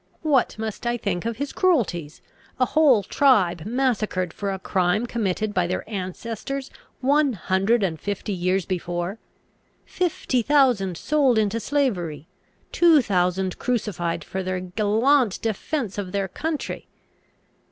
What must I think of his cruelties; a whole tribe massacred for a crime committed by their ancestors one hundred and fifty years before; fifty thousand sold into slavery; two thousand crucified for their gallant defence of their country?